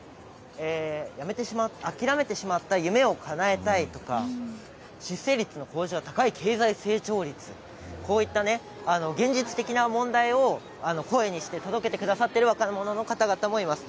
諦めてしまった夢をかなえたいとか出生率の向上や高い経済成長率こういう現実的な問題を声にして届けてくださっている若者の方もいます。